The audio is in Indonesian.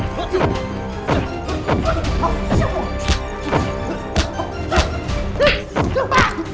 kamu kec decision karir